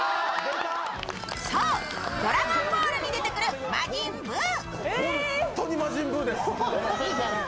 そう、「ドラゴンボール」に出てくる魔人ブウ。